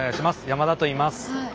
山田といいます。